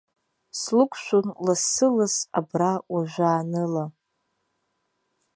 Слықәшәон лассы-ласс абра уажәааныла.